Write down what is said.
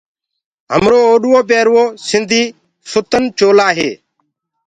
هميرو اوڏڻ پيرڻ سنڌي سلوآر ڪمج هي۔